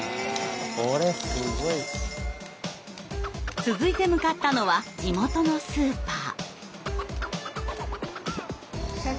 これすごい。続いて向かったのは地元のスーパー。